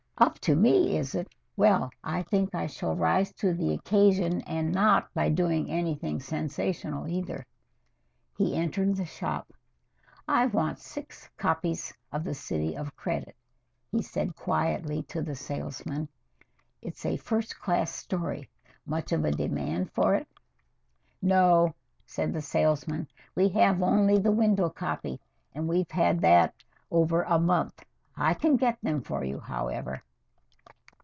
"Up to me, is it? Well, I think I shall rise to the occasion and not by doing anything sensational either." He entered the shop. "I want six copies of 'The City of Credit,'" he said quietly to the salesman. "It's a first class story. Much of a demand for it?" "No," said the salesman. "We have only the window copy, and we've had that over a month. I can get them for you, however."